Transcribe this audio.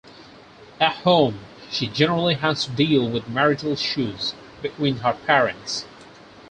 At home, she generally has to deal with marital issues between her parents.